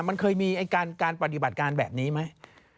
มันเคยมีการปฏิบัติการแบบนี้ไหม